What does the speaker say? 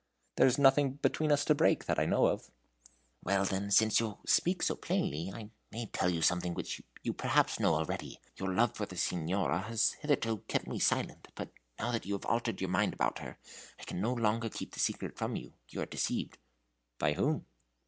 "There is nothing between us to break, that I know of." "Well, then, since you speak so plainly, I may tell you something which you perhaps know already. Your love for the Signora has hitherto kept me silent; but now that you have altered your mind about her, I can no longer keep the secret from you. You are deceived." "By whom?"